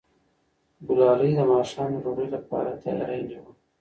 ګلالۍ د ماښام د ډوډۍ لپاره تیاری نیوه.